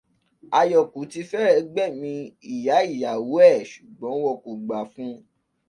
Ayọ̀kù ti fẹ́rẹ̀ gbẹ̀mí Ìyá ìyàwó ẹ̀ ṣùgbọ́n wọn kò gbà fún-un